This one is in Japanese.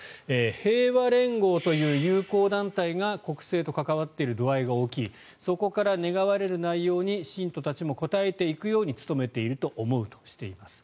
平和連合という友好団体が国政と関わっている度合いが大きいそこから願われる内容に信徒たちも応えていくように努めていると思うとしています。